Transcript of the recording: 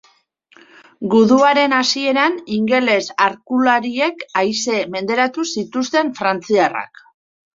Guduaren hasieran, ingeles arkulariek aise menderatu zituzten frantziarrak.